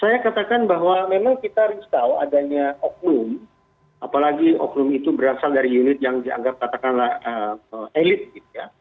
saya katakan bahwa memang kita tahu adanya oknum apalagi oknum itu berasal dari unit yang dianggap elit